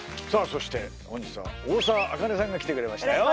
そして本日は大沢あかねさんが来てくれましたよ